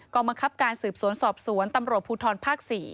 บังคับการสืบสวนสอบสวนตำรวจภูทรภาค๔